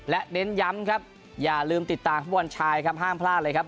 และเน้นย้ำครับอย่าลืมติดตามฟุตบอลชายครับห้ามพลาดเลยครับ